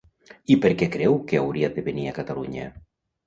I per què creu que hauria de venir a Catalunya?